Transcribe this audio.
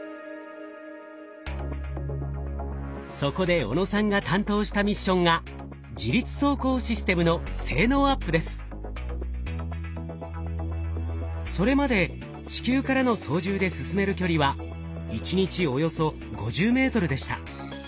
そこで小野さんが担当したミッションがそれまで地球からの操縦で進める距離は１日およそ５０ｍでした。